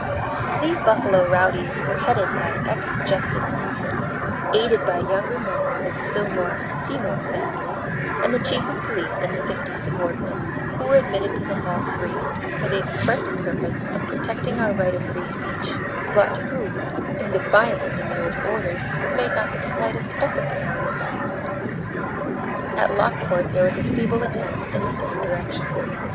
These Buffalo rowdies were headed by ex Justice Hinson, aided by younger members of the Fillmore and Seymour families, and the chief of police and fifty subordinates, who were admitted to the hall free, for the express purpose of protecting our right of free speech, but who, in defiance of the mayor's orders, made not the slightest effort in our defense. At Lockport there was a feeble attempt in the same direction.